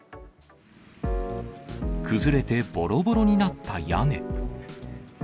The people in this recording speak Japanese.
崩れてぼろぼろになった屋根。